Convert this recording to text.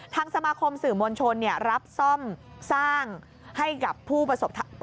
ทางสมาคมสื่อมวลชนรับซ่อมสร้างให้กับผู้ประสบ